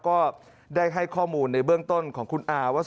ก็ได้ให้ข้อมูลในเบื้องต้นของคุณอาว่า